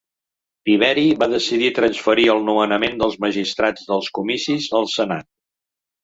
Tiberi va decidir transferir el nomenament dels magistrats dels Comicis al Senat.